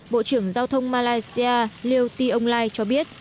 bộ chính phủ đã ký kết thỏa thuận